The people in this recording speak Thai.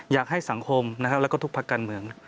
อยากให้สังคมนะครับแล้วก็ทุกพักการเมือง